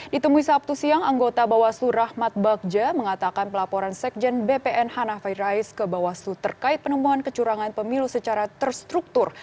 ditemui sabtu siang anggota bawaslu rahmat bagja mengatakan pelaporan sekjen bpn hanafi rais ke bawaslu terkait penemuan kecurangan pemilu secara terstruktur